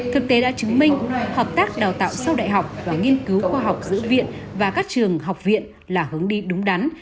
thực tế đã chứng minh hợp tác đào tạo sau đại học và nghiên cứu khoa học giữa viện và các trường học viện là hướng đi đúng đắn